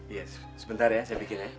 iya sebentar ya saya pikir ya